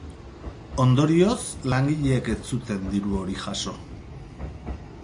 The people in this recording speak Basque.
Ondorioz, langileek ez zuten diru hori jaso.